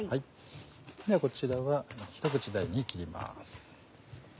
ではこちらは一口大に切ります。